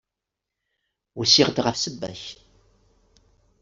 Usiɣ-d ɣef ssebba-k.